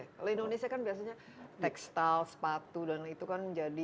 kalau indonesia kan biasanya tekstil sepatu dan itu kan menjadi